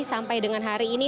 sampai dengan hari ini